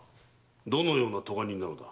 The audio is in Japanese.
どのような科人なのだ？